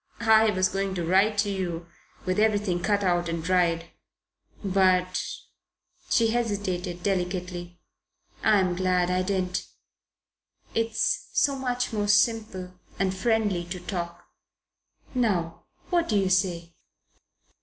I was going to write to you with everything cut and dried. But" she hesitated delicately "I'm glad I didn't. It's so much more simple and friendly to talk. Now, what do you say?"